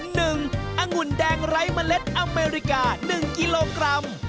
องุ่นแดงไร้เมล็ดอเมริกา๑กิโลกรัม